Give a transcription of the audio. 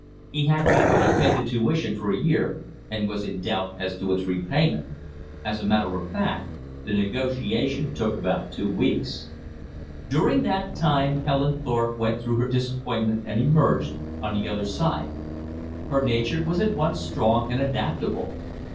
He had already paid the tuition for the year, and was in doubt as to its repayment. As a matter of fact, the negotiation took about two weeks. During that time Helen Thorpe went through her disappointment and emerged on the other side. Her nature was at once strong and adaptable.